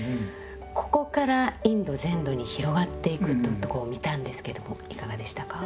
ここからインド全土に広がっていくというとこを見たんですけどもいかがでしたか？